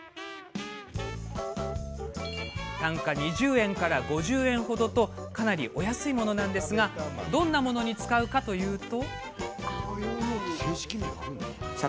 単価２０円から５０円程とかなりお安いものなんですがどんなものに使うのかというと。